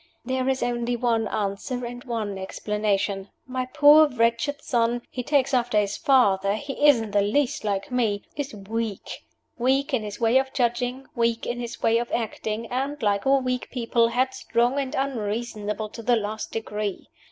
There is only one answer, and one explanation. My poor, wretched son he takes after his father; he isn't the least like me! is weak: weak in his way of judging, weak in his way of acting, and, like all weak people, headstrong and unreasonable to the last degree.